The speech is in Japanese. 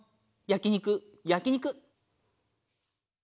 焼き肉焼き肉。